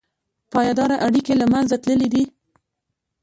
پایداره اړیکې له منځه تللي دي.